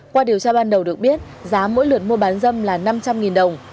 qua điều tra ban đầu được biết giá mỗi lượt mua bán dâm là năm trăm linh đồng